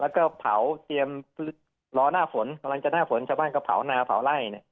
แล้วก็เผาเตรียมรอหน้าฝนกำลังจะหน้าฝนชาวบ้านก็เผานาเผาไล่